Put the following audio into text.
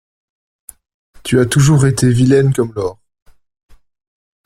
Tu as toujours été vilaine comme l'or.